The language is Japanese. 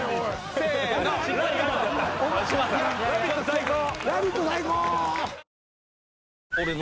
最高！